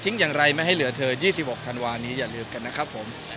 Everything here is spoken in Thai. อย่างไรไม่ให้เหลือเธอ๒๖ธันวานี้อย่าลืมกันนะครับผม